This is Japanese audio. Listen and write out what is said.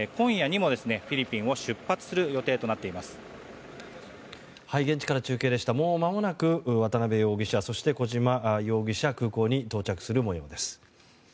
もうまもなく、渡邉容疑者そして小島容疑者空港に到着する模様です。